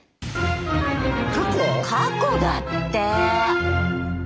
過去だって。